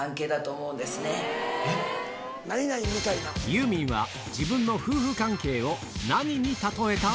ユーミンは自分の夫婦関係を何に例えた？